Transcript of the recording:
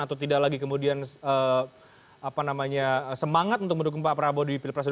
atau tidak lagi kemudian semangat untuk mendukung pak prabowo di pilpres dua ribu